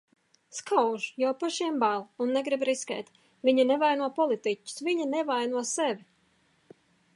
Skauž, jo pašiem bail un negrib riskēt. Viņi nevaino politiķus. Viņi nevaino sevi.